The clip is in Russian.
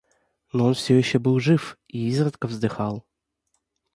Но он всё еще был жив и изредка вздыхал.